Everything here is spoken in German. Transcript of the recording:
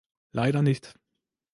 Leider nicht.